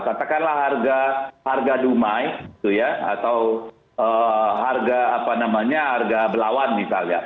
katakanlah harga dumai gitu ya atau harga apa namanya harga belawan misalnya